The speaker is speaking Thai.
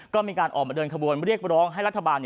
ก็มีการออกมาเดินขบวนเรียกร้องให้รัฐบาล